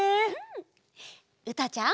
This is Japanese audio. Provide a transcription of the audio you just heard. うたちゃん。